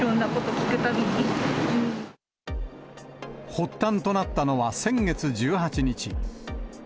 発端となったのは先月１８日。